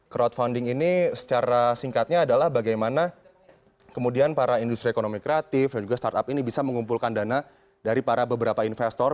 crowdfunding ini secara singkatnya adalah bagaimana kemudian para industri ekonomi kreatif dan juga startup ini bisa mengumpulkan dana dari para beberapa investor